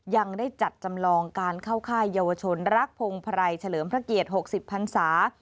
ยังได้จัดจำลองการเข้าค่ายเยาวชนรักพงภัยเฉลิมพระเกียรติ๖๐พันศา